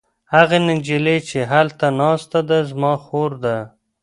هغه نجلۍ چې هلته ناسته ده زما خور ده.